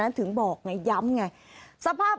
ค่ะคือเมื่อวานี้ค่ะ